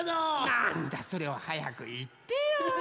なんだそれをはやくいってよ。